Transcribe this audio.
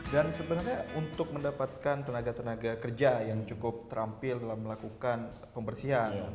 dan sebenarnya untuk mendapatkan tenaga tenaga kerja yang cukup terampil dalam melakukan pembersihan